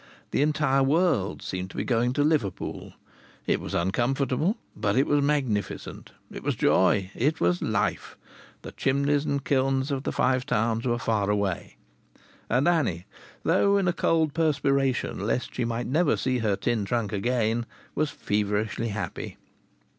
The entire world seemed to be going to Liverpool. It was uncomfortable, but it was magnificent. It was joy, it was life. The chimneys and kilns of the Five Towns were far away. And Annie, though in a cold perspiration lest she might never see her tin trunk again, was feverishly happy.